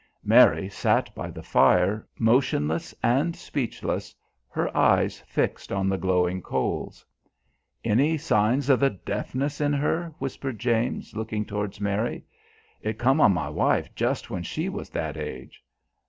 Mary sat by the fire, motionless and speechless, her eyes fixed on the glowing coals. "Any signs o' the deafness in her?" whispered James, looking towards Mary. "It come on my wife jus' when she was that age."